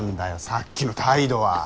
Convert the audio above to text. さっきの態度は。